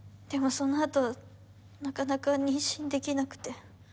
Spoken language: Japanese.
でもその後なかなか妊娠できなくて。